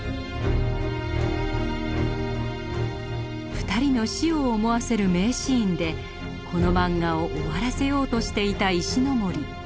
二人の死を思わせる名シーンでこのマンガを終わらせようとしていた石森。